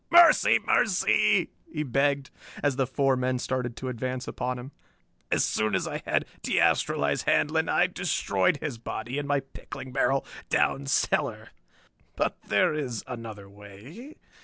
"Mercy, mercy!" he begged as the four men started to advance upon him. "As soon as I had de astralized Handlon I destroyed his body in my pickling barrel down cellar. But there is another way...."